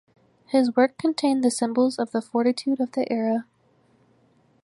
His work contained the symbols of the fortitude of the era.